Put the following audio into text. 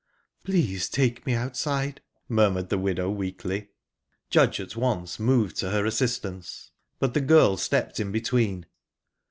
"Please take me outside," murmured the widow weakly. Judge at once moved to her assistance, but the girl stepped in between.